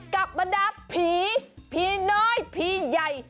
บรรดาผีผีน้อยผีใหญ่